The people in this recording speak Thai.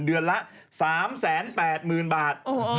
เดือนละ๓๘๐๐๐บาท